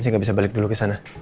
saya gak bisa balik dulu kesana